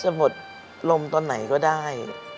หมดลมตอนไหนก็ได้